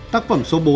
tác phẩm số bốn